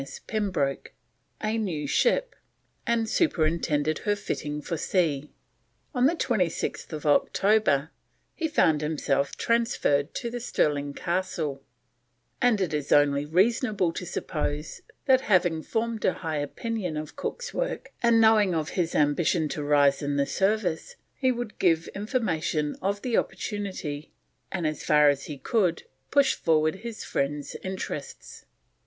M.S. Pembroke, a new ship, and superintended her fitting for sea. On 26th October he found himself transferred to the Stirling Castle, and it is only reasonable to suppose that, having formed a high opinion of Cook's work, and knowing of his ambition to rise in the service, he would give information of the opportunity and, as far as he could, push forward his friend's interests.